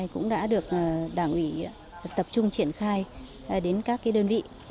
cũng đã được đảng ủy tập trung triển khai đến các đơn vị